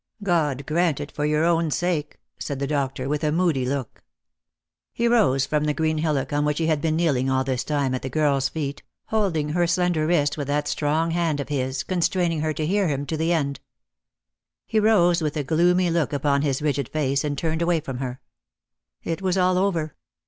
" God grant it for your own sake," said the doctor with a moody look. He rose from the green hillock on which he had been kneel ing all this time at the girl's feet, holding her slender wrist 144 Lost for Love. with that strong hand of his, constraining her to hear him to the end. He rose with a gloomy look upon his rigid face, and turned away from her. It was all over.